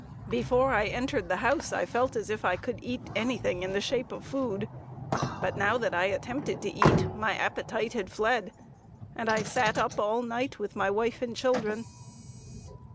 Before I entered the house I felt as if I could eat anything in the shape of food; but now that I attempted to eat, my appetite had fled, and I sat up all night with my wife and children.